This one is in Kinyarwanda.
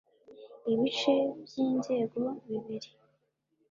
ibice by’inzego bibiri